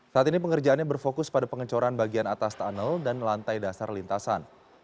saat ini pengerjaannya berfokus pada pengecoran bagian atas tunnel dan lantai dasar lintasan